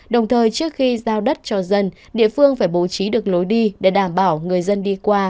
đồng thời trước khi giao đất cho dân địa phương phải bố trí được lối đi để đảm bảo người dân đi qua